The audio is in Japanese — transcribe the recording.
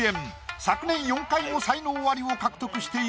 昨年４回も才能アリを獲得している。